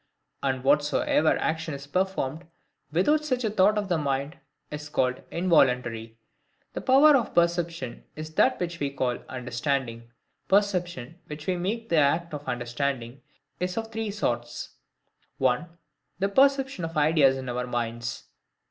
And whatsoever action is performed without such a thought of the mind, is called INVOLUNTARY. The power of perception is that which we call the UNDERSTANDING. Perception, which we make the act of the understanding, is of three sorts:—1. The perception of ideas in our minds.